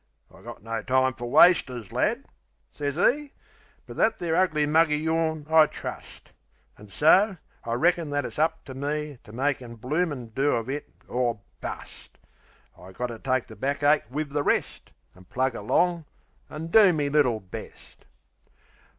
"I got no time fer wasters, lad," sez 'e, "But that there ugly mug o' yourn I trust." An' so I reckon that it's up to me To make a bloomin' do of it or bust. I got to take the back ache wiv the rest, An' plug along, an' do me little best.